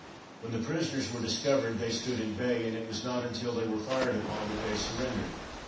When the prisoners were discovered, they stood at bay, and it was not until they were fired upon, that they surrendered.